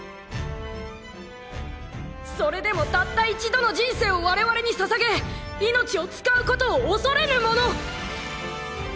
それでもたった一度の人生を我々に捧げ命を使うことを恐れぬ者！